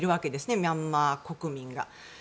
ミャンマー国民が。